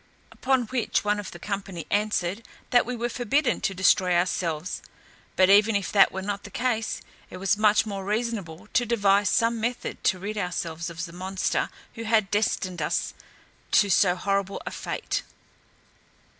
Upon which one of the company answered, "That we were forbidden to destroy ourselves: but even if that were not the case, it was much more reasonable to devise some method to rid ourselves of the monster who had destined us to so horrible a fate."